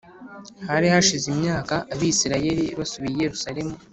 Hari hashize imyaka Abisirayeli basubiye i Yerusalemu